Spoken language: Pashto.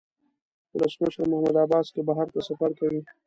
ولسمشر محمود عباس که بهر ته سفر کوي.